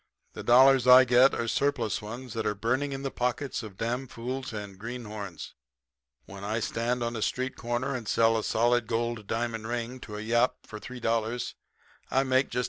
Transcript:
The dollars I get are surplus ones that are burning the pockets of damfools and greenhorns. When I stand on a street corner and sell a solid gold diamond ring to a yap for $3.00, I make just $2.